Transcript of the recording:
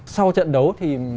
sau trận đấu thì